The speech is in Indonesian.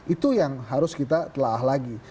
itu yang harus kita telah lagi